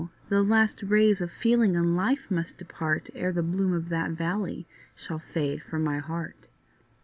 the last rays of feeling and life must depart, Ere the bloom of that valley shall fade from my heart.